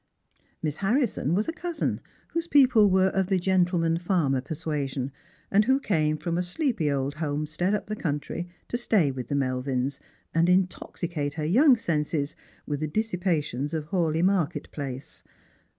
Miss Harrison was a cousin, whose people were of the gentleman farmer persuasion, and who came from a sleepy old homestead up the country to stay with the Melvins, and intoxicate her young senses with the dissipa tions of Hawleigh market place.